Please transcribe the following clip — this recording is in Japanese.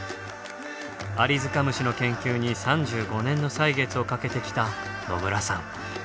アリヅカムシの研究に３５年の歳月をかけてきた野村さん。